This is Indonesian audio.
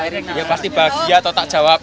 ya pasti bahagia atau tak jawab